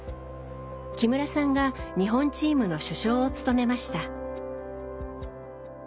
木村さんが日本チームの主将を務めました。